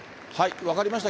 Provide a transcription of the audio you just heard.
分かりました。